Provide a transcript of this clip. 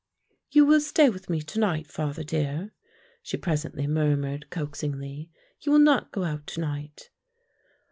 "You will stay with me to night, father, dear," she presently murmured, coaxingly; "you will not go out to night."